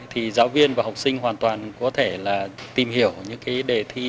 thì giáo viên và học sinh hoàn toàn có thể là tìm hiểu những cái đề thi